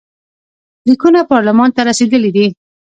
لیکونه پارلمان ته رسېدلي دي.